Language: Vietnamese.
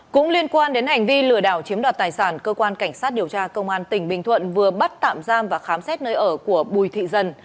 cũng liên quan đến hành vi lừa đảo chiếm đoạt tài sản cơ quan cảnh sát điều tra công an tỉnh bình thuận vừa bắt tạm giam và khám xét nơi ở của bùi thị dần